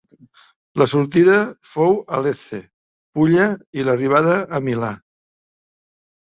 La sortida fou a Lecce, Pulla, i l'arribada a Milà.